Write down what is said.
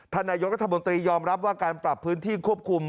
นายกรัฐมนตรียอมรับว่าการปรับพื้นที่ควบคุม